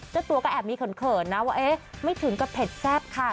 เจ้าตัวก็แอบมีเขินนะว่าเอ๊ะไม่ถึงกับเผ็ดแซ่บค่ะ